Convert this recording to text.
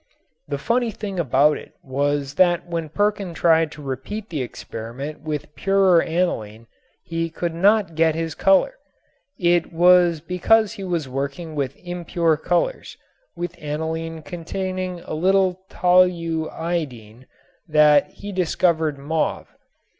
The funny thing about it was that when Perkin tried to repeat the experiment with purer aniline he could not get his color. It was because he was working with impure chemicals, with aniline containing a little toluidine, that he discovered mauve.